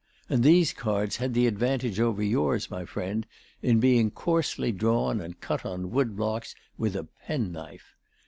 And these cards had the advantage over yours, my friend, in being coarsely drawn and cut on wood blocks with a penknife.